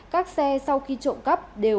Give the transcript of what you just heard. các xe sau khi trộm cắp đều